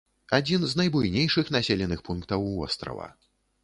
Адзін з найбуйнейшых населеных пунктаў вострава.